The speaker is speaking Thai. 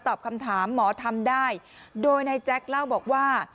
ตอบคำถามหมอทำได้โดยนายแจ๊คเล่าบอกว่า